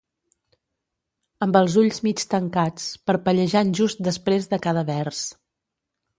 Amb els ulls mig tancats, parpellejant just després de cada vers.